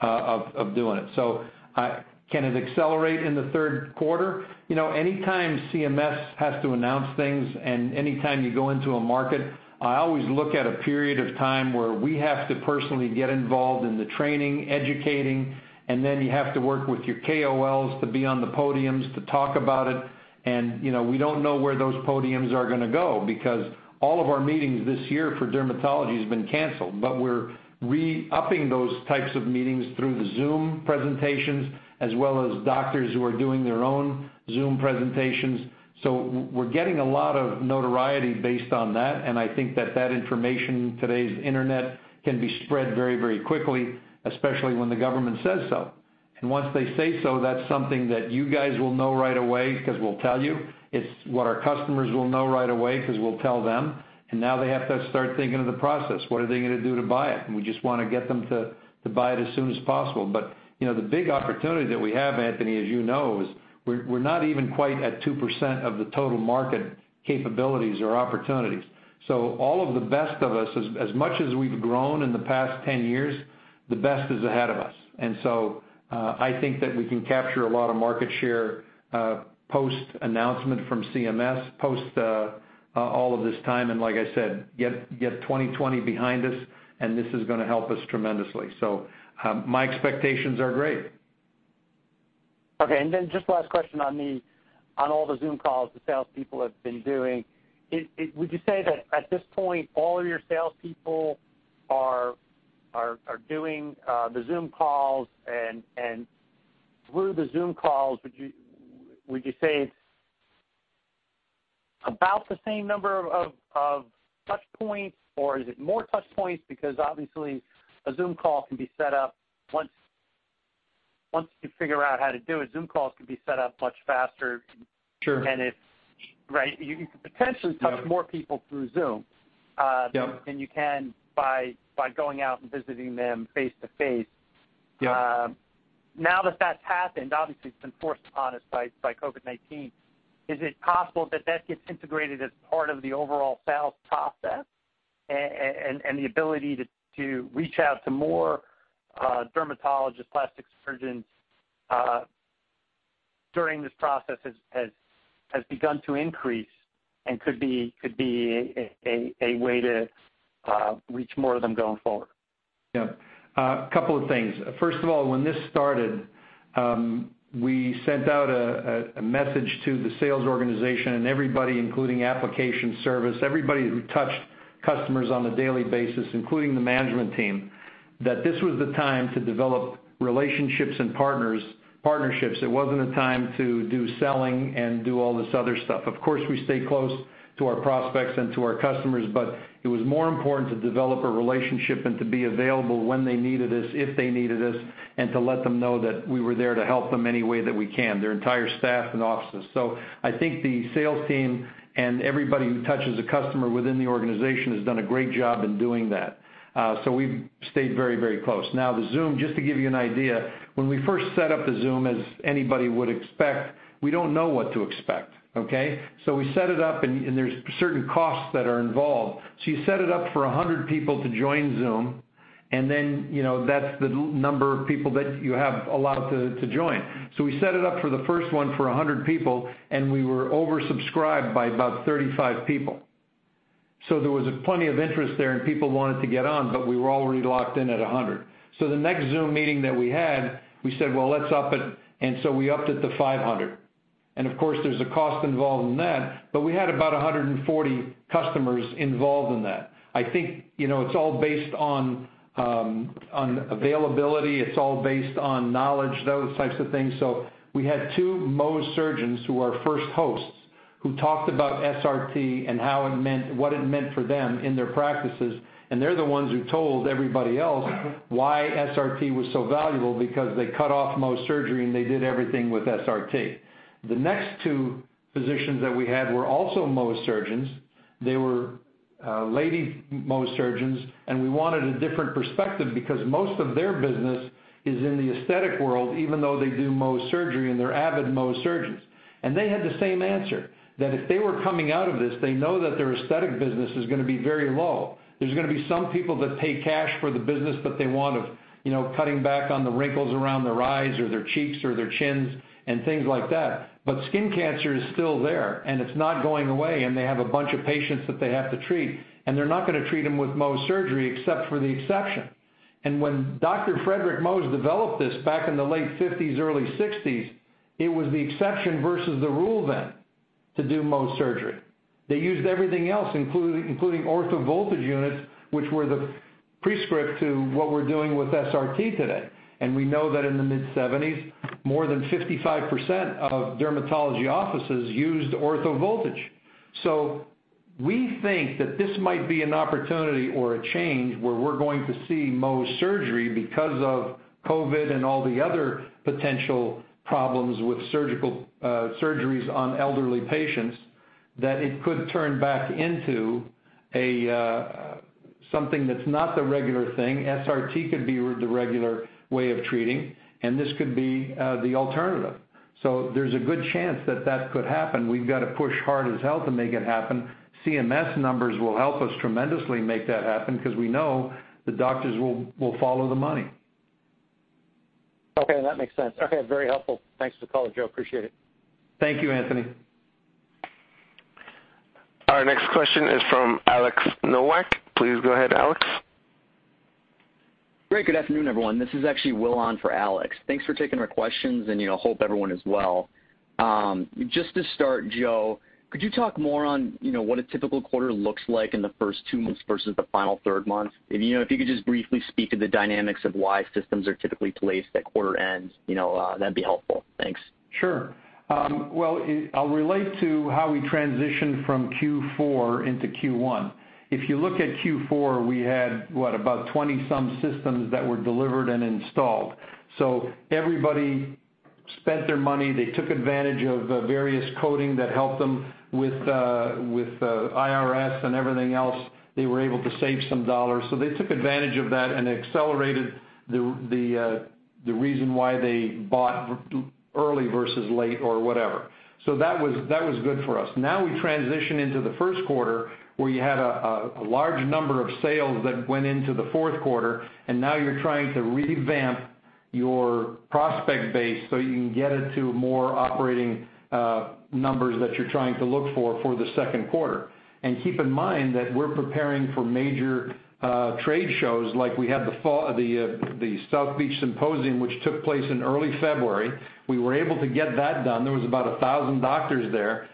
of doing it. Can it accelerate in the third quarter? Anytime CMS has to announce things, and anytime you go into a market, I always look at a period of time where we have to personally get involved in the training, educating, and then you have to work with your KOLs to be on the podiums to talk about it. We don't know where those podiums are going to go, because all of our meetings this year for dermatology has been canceled. We're re-upping those types of meetings through the Zoom presentations, as well as doctors who are doing their own Zoom presentations. We're getting a lot of notoriety based on that, and I think that that information, today's internet, can be spread very quickly, especially when the government says so. Once they say so, that's something that you guys will know right away, because we'll tell you. It's what our customers will know right away, because we'll tell them, and now they have to start thinking of the process. What are they going to do to buy it? We just want to get them to buy it as soon as possible. The big opportunity that we have, Anthony, as you know, is we're not even quite at 2% of the total market capabilities or opportunities. All of the best of us, as much as we've grown in the past 10 years, the best is ahead of us. I think that we can capture a lot of market share, post announcement from CMS, post all of this time, and like I said, get 2020 behind us, and this is going to help us tremendously. My expectations are great. Okay, just last question on all the Zoom calls the salespeople have been doing. Would you say that at this point, all of your salespeople are doing the Zoom calls? Through the Zoom calls, would you say it's about the same number of touch points, or is it more touch points? Obviously, a Zoom call can be set up once you figure out how to do it. Zoom calls can be set up much faster- Sure -than You could potentially touch more people through Zoom- Yeah -than you can by going out and visiting them face-to-face. Yeah. Now that that's happened, obviously it's been forced upon us by COVID-19, is it possible that that gets integrated as part of the overall sales process, and the ability to reach out to more dermatologists, plastic surgeons during this process has begun to increase and could be a way to reach more of them going forward? A couple of things. First of all, when this started, we sent out a message to the sales organization and everybody, including application service, everybody who touched customers on a daily basis, including the management team, that this was the time to develop relationships and partnerships. It wasn't a time to do selling and do all this other stuff. Of course, we stayed close to our prospects and to our customers, but it was more important to develop a relationship and to be available when they needed us, if they needed us, and to let them know that we were there to help them any way that we can, their entire staff and offices. I think the sales team and everybody who touches a customer within the organization has done a great job in doing that. We've stayed very close. The Zoom, just to give you an idea, when we first set up the Zoom, as anybody would expect, we don't know what to expect. Okay. We set it up, and there's certain costs that are involved. You set it up for 100 people to join Zoom, and then that's the number of people that you have allowed to join. We set it up for the first one for 100 people, and we were oversubscribed by about 35 people. There was plenty of interest there, and people wanted to get on, but we were already locked in at 100. The next Zoom meeting that we had, we said, "Well, let's up it." We upped it to 500. Of course, there's a cost involved in that. We had about 140 customers involved in that. I think it's all based on availability, it's all based on knowledge, those types of things. We had two Mohs surgeons who are first KOLs, who talked about SRT and what it meant for them in their practices, and they're the ones who told everybody else why SRT was so valuable because they cut off Mohs surgery, and they did everything with SRT. The next two physicians that we had were also Mohs surgeons. They were lady Mohs surgeons, and we wanted a different perspective because most of their business is in the aesthetic world, even though they do Mohs surgery and they're avid Mohs surgeons. They had the same answer. That if they were coming out of this, they know that their aesthetic business is going to be very low. There's going to be some people that pay cash for the business, but they want of cutting back on the wrinkles around their eyes or their cheeks or their chins and things like that. Skin cancer is still there, and it's not going away, and they have a bunch of patients that they have to treat, and they're not going to treat them with Mohs surgery except for the exception. When Dr. Frederic Mohs developed this back in the late 1950s, early 1960s, it was the exception versus the rule then to do Mohs surgery. They used everything else, including orthovoltage units, which were the prescript to what we're doing with SRT today. We know that in the mid-1970s, more than 55% of dermatology offices used orthovoltage. We think that this might be an opportunity or a change where we're going to see Mohs surgery because of COVID-19 and all the other potential problems with surgeries on elderly patients, that it could turn back into something that's not the regular thing. SRT could be the regular way of treating, and this could be the alternative. There's a good chance that that could happen. We've got to push hard as hell to make it happen. CMS numbers will help us tremendously make that happen, because we know the doctors will follow the money. Okay. That makes sense. Okay. Very helpful. Thanks for the call, Joe. Appreciate it. Thank you, Anthony. Our next question is from Alex Nowak. Please go ahead, Alex. Great. Good afternoon, everyone. This is actually Will on for Alex. Thanks for taking our questions, and hope everyone is well. Just to start, Joe, could you talk more on what a typical quarter looks like in the first two months versus the final third month? If you could just briefly speak to the dynamics of why systems are typically placed at quarter ends, that'd be helpful. Thanks. Sure. Well, I'll relate to how we transitioned from Q4 into Q1. If you look at Q4, we had, what? About 20-some systems that were delivered and installed. Everybody spent their money. They took advantage of various coding that helped them with IRS and everything else. They were able to save some dollars. They took advantage of that and accelerated the reason why they bought early versus late or whatever. That was good for us. Now we transition into the first quarter, where you had a large number of sales that went into the fourth quarter, and now you're trying to revamp your prospect base so you can get it to more operating numbers that you're trying to look for the second quarter. Keep in mind that we're preparing for major trade shows, like we had the South Beach Symposium, which took place in early February. We were able to get that done. There was about 1,000 doctors there.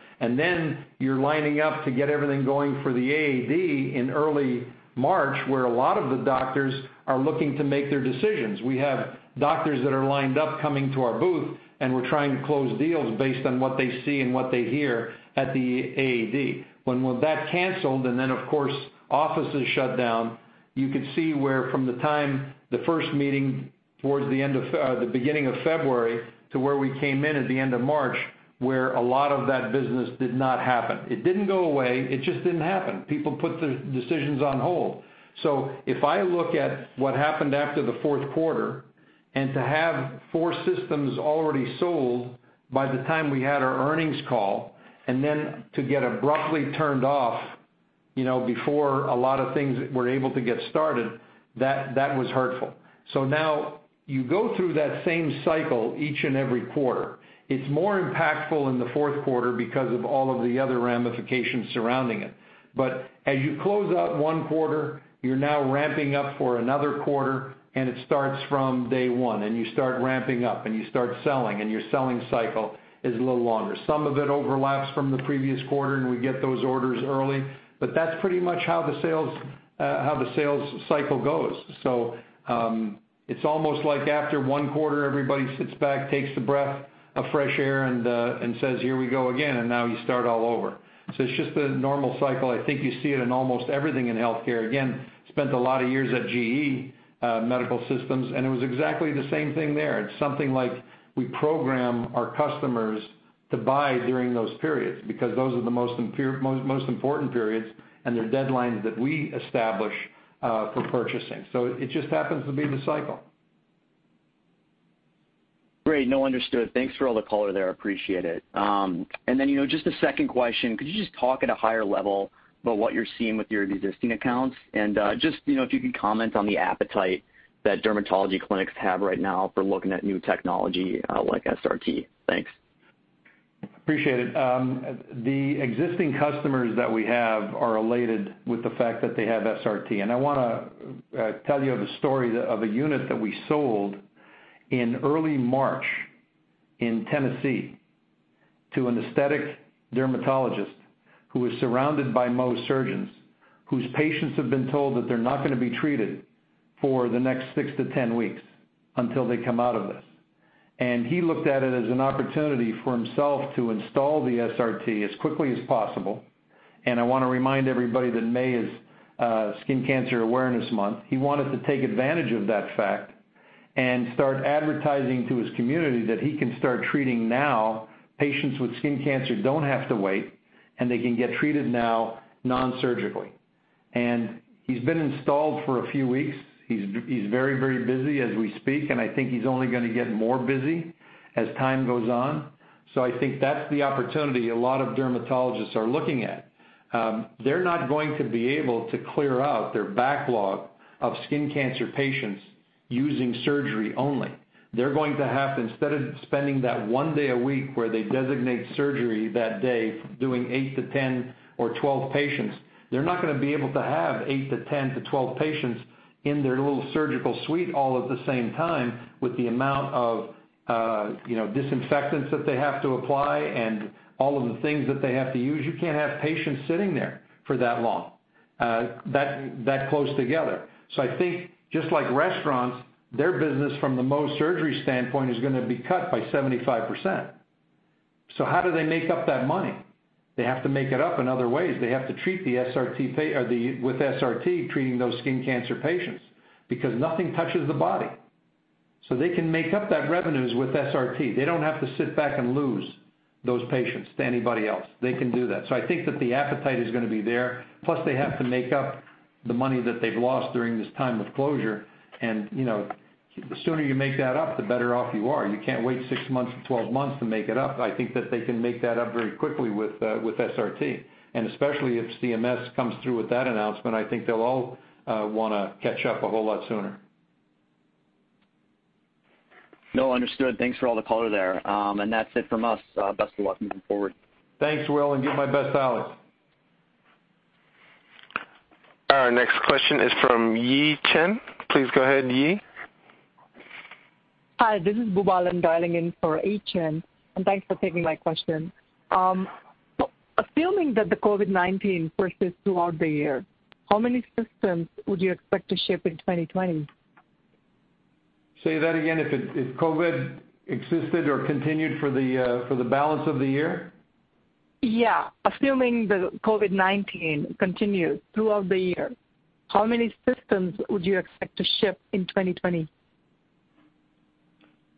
You're lining up to get everything going for the AAD in early March, where a lot of the doctors are looking to make their decisions. We have doctors that are lined up coming to our booth, and we're trying to close deals based on what they see and what they hear at the AAD. When that canceled, and then of course, offices shut down, you could see where from the time the first meeting, towards the beginning of February to where we came in at the end of March, where a lot of that business did not happen. It didn't go away. It just didn't happen. People put the decisions on hold. If I look at what happened after the fourth quarter, and to have four systems already sold by the time we had our earnings call, and then to get abruptly turned off before a lot of things were able to get started, that was hurtful. Now you go through that same cycle each and every quarter. It's more impactful in the fourth quarter because of all of the other ramifications surrounding it. As you close out one quarter, you're now ramping up for another quarter, and it starts from day one, and you start ramping up, and you start selling, and your selling cycle is a little longer. Some of it overlaps from the previous quarter, and we get those orders early, but that's pretty much how the sales cycle goes. It's almost like after one quarter, everybody sits back, takes a breath of fresh air, and says, "Here we go again," and now you start all over. It's just the normal cycle. I think you see it in almost everything in healthcare. Again, spent a lot of years at GE Medical Systems, and it was exactly the same thing there. It's something like we program our customers to buy during those periods, because those are the most important periods, and they're deadlines that we establish for purchasing. It just happens to be the cycle. Great. No, understood. Thanks for all the color there. Appreciate it. Just a second question. Could you just talk at a higher level about what you're seeing with your existing accounts? If you could comment on the appetite that dermatology clinics have right now for looking at new technology like SRT. Thanks. Appreciate it. The existing customers that we have are elated with the fact that they have SRT. I want to tell you the story of a unit that we sold in early March in Tennessee to an aesthetic dermatologist who is surrounded by Mohs surgeons, whose patients have been told that they're not going to be treated for the next six to 10 weeks until they come out of this. He looked at it as an opportunity for himself to install the SRT as quickly as possible. I want to remind everybody that May is Skin Cancer Awareness Month. He wanted to take advantage of that fact and start advertising to his community that he can start treating now. Patients with skin cancer don't have to wait, and they can get treated now non-surgically. He's been installed for a few weeks. He's very busy as we speak, and I think he's only going to get more busy as time goes on. I think that's the opportunity a lot of dermatologists are looking at. They're not going to be able to clear out their backlog of skin cancer patients using surgery only. Instead of spending that one day a week where they designate surgery that day, doing eight to 10 or 12 patients, they're not going to be able to have eight to 10-12 patients in their little surgical suite all at the same time with the amount of disinfectants that they have to apply and all of the things that they have to use. You can't have patients sitting there for that long, that close together. I think just like restaurants, their business from the Mohs surgery standpoint is going to be cut by 75%. How do they make up that money? They have to make it up in other ways. They have to treat with SRT, treating those skin cancer patients, because nothing touches the body. They can make up that revenues with SRT. They don't have to sit back and lose those patients to anybody else. They can do that. I think that the appetite is going to be there. Plus, they have to make up the money that they've lost during this time of closure. The sooner you make that up, the better off you are. You can't wait six months to 12 months to make it up. I think that they can make that up very quickly with SRT. Especially if CMS comes through with that announcement, I think they'll all want to catch up a whole lot sooner. No, understood. Thanks for all the color there. That's it from us. Best of luck moving forward. Thanks, Will, and give my best to Alex. Our next question is from Yi Chen. Please go ahead, Yi. Hi, this is Boobalan dialing in for Yi Chen. Thanks for taking my question. Assuming that the COVID-19 persists throughout the year, how many systems would you expect to ship in 2020? Say that again. If COVID existed or continued for the balance of the year? Yeah. Assuming the COVID-19 continues throughout the year, how many systems would you expect to ship in 2020?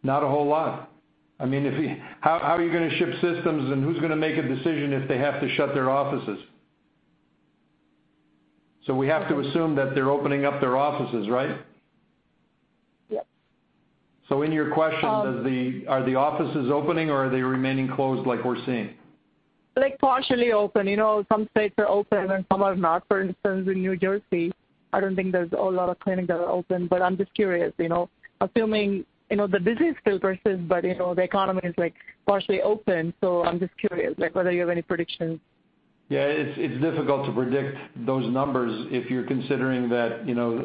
Not a whole lot. How are you going to ship systems, and who's going to make a decision if they have to shut their offices? We have to assume that they're opening up their offices, right? Yes. So, in your question- Um- Are the offices opening or are they remaining closed like we're seeing? Partially open. Some states are open and some are not. For instance, in New Jersey, I don't think there's a lot of clinics that are open, but I'm just curious. Assuming, the business still persists, but the economy is partially open. I'm just curious, whether you have any predictions. Yeah, it's difficult to predict those numbers if you're considering that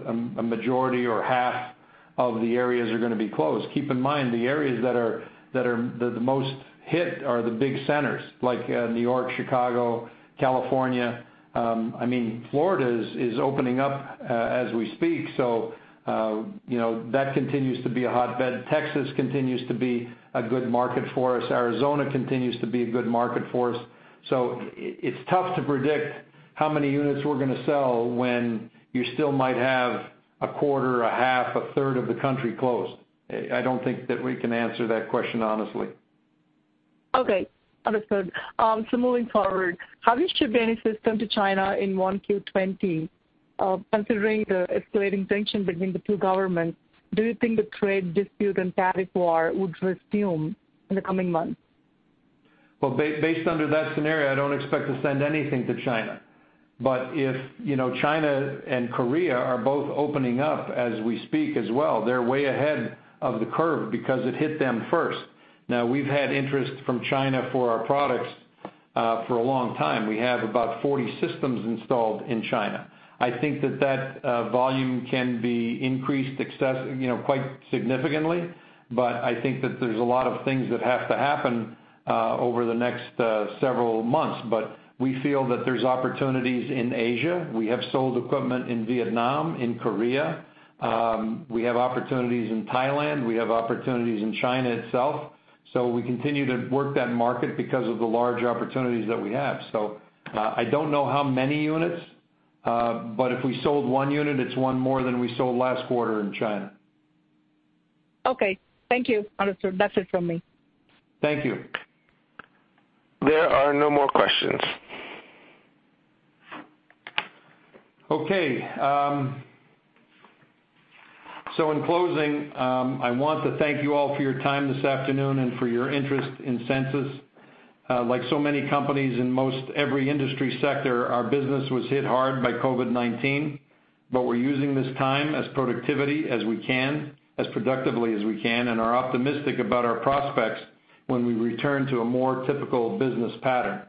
a majority or half of the areas are going to be closed. Keep in mind, the areas that are the most hit are the big centers, like New York, Chicago, California. Florida is opening up as we speak. That continues to be a hotbed. Texas continues to be a good market for us. Arizona continues to be a good market for us. It's tough to predict how many units we're going to sell when you still might have 1/4, 1/2, 1/3 of the country closed. I don't think that we can answer that question, honestly. Okay. Understood. Moving forward, have you shipped any system to China in 1Q20? Considering the escalating tension between the two governments, do you think the trade dispute and tariff war would resume in the coming months? Well, based under that scenario, I don't expect to send anything to China. China and Korea are both opening up as we speak as well. They're way ahead of the curve because it hit them first. Now, we've had interest from China for our products for a long time. We have about 40 systems installed in China. I think that volume can be increased quite significantly, but I think that there's a lot of things that have to happen over the next several months. We feel that there's opportunities in Asia. We have sold equipment in Vietnam and Korea. We have opportunities in Thailand. We have opportunities in China itself. We continue to work that market because of the large opportunities that we have. I don't know how many units, but if we sold one unit, it's one more than we sold last quarter in China. Okay. Thank you. Understood. That's it from me. Thank you. There are no more questions. In closing, I want to thank you all for your time this afternoon and for your interest in Sensus. Like so many companies in most every industry sector, our business was hit hard by COVID-19, but we're using this time as productively as we can and are optimistic about our prospects when we return to a more typical business pattern.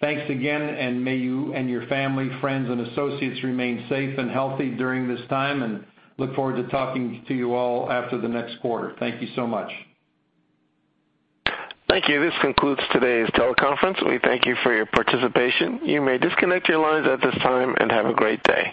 Thanks again, and may you and your family, friends, and associates remain safe and healthy during this time. I look forward to talking to you all after the next quarter. Thank you so much. Thank you. This concludes today's teleconference, and we thank you for your participation. You may disconnect your lines at this time and have a great day.